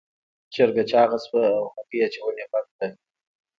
چرګه چاغه شوه او هګۍ اچول یې بند کړل.